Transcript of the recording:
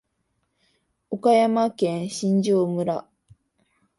岡山県新庄村